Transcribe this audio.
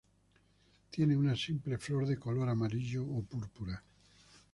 Tiene una simple flor de color amarillo o púrpura.